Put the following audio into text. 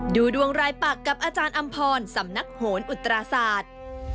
ดูดวงรายปักกับอาจารย์อำพรสำนักโหนอุตราศาสตร์